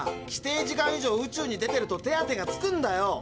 規定時間以上宇宙に出てると手当が付くんだよ。